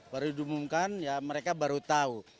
baru diumumkan ya mereka baru tahu